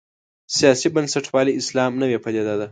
سیاسي بنسټپالی اسلام نوې پدیده ده.